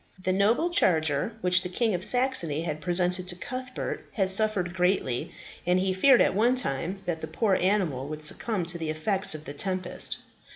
The noble charger which the King of Saxony had presented to Cuthbert, had suffered greatly, and he feared at one time, that the poor animal would succumb to the effects of the tempest.